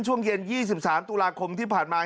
ช่วงเย็น๒๓ตุลาคมที่ผ่านมา